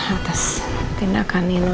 atas tindakan nino